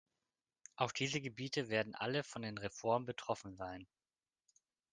Auch diese Gebiete werden alle von den Reformen betroffen sein.